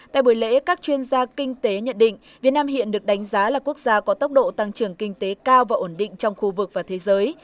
tại buổi lễ các chuyên gia kinh tế nhận định việt nam hiện được đánh giá là quốc gia có tốc độ tăng trưởng kinh tế cao và ổn định trong khu vực và thế giới